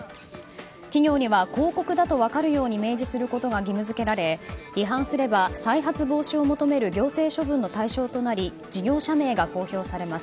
企業には、広告だと分かるように明示することが義務付けられ違反すれば、再発防止を求める行政処分の対象となり事業者名が公表されます。